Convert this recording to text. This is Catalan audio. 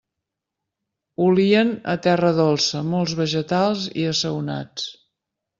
Olien a terra dolça, molt vegetals i assaonats.